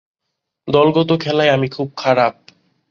দলগত খেলায় আমি খুব খারাপ।